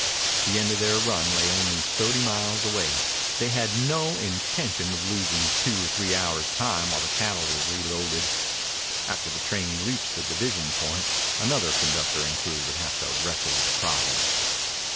The end of their run lay only thirty miles away. They had no intention of losing two or three hours' time while the cattle were reloaded. After the train reached the division point another conductor and crew would have to wrestle with the problem.